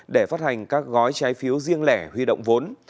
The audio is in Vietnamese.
để phát hành các gói trái phiếu riêng lẻ huy động vốn